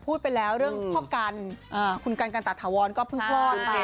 พูดไปแล้วเรื่องพ่อกันคุณกันกันตะถาวรก็เพิ่งคลอดไป